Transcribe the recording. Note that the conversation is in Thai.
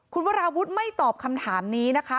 คุณวราวุฒิไม่ตอบคำถามนี้นะคะ